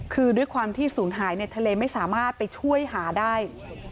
คือด้วยความที่ศูนย์หายในทะเลไม่สามารถไปช่วยหาได้